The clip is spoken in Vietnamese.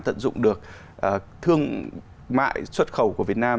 tận dụng được thương mại xuất khẩu của việt nam